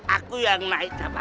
aku yang naik jabatan